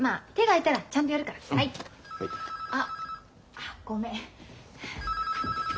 ☎あっごめん。